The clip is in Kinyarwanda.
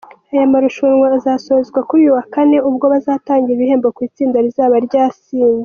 Aya marushanwa azasozwa kuri uyu wa Kane ubwo bazatanga ibihembo ku itsinda rizaba ryatsinze.